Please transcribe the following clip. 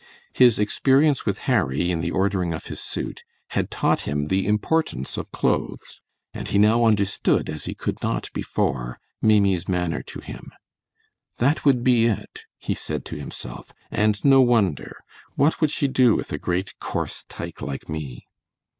His experience with Harry in the ordering of his suit had taught him the importance of clothes, and he now understood as he could not before, Maimie's manner to him. "That would be it," he said to himself, "and no wonder. What would she do with a great, coarse tyke like me!"